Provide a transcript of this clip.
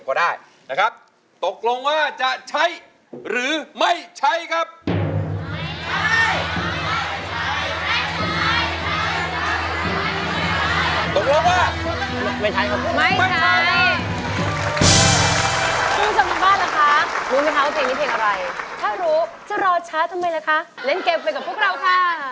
ถ้ารู้จะรอช้าตัวไม่ล่ะคะเล่นเกมไปกับพวกเราค่ะ